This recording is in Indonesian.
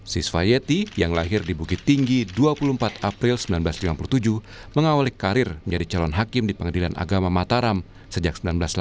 siswa yeti yang lahir di bukit tinggi dua puluh empat april seribu sembilan ratus sembilan puluh tujuh mengawali karir menjadi calon hakim di pengadilan agama mataram sejak seribu sembilan ratus delapan puluh